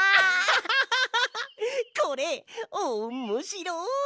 これおっもしろい！